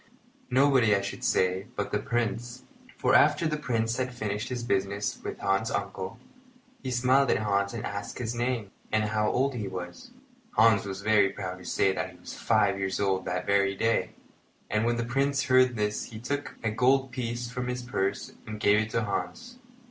Nobody, I should say, but the Prince; for after the Prince had finished his business with Hans's uncle, he smiled at Hans and asked his name and how old he was. Hans was very proud to say that he was five years old that very day; and when the Prince heard this he took a gold piece from his purse and gave it to Hans.